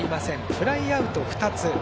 フライアウトが２つ。